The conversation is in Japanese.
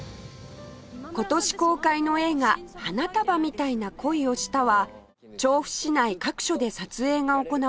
今年公開の映画『花束みたいな恋をした』は調布市内各所で撮影が行われたラブストーリーです